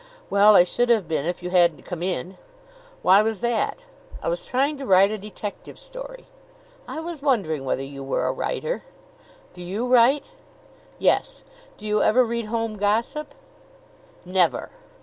"Well, I should have been if you hadn't come in." "Why was that?" "I was trying to write a detective story." "I was wondering whether you were a writer." "Do you write?" "Yes. Do you ever read Home Gossip?" "Never!"